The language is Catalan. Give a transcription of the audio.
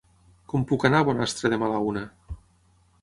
Com puc anar a Bonastre demà a la una?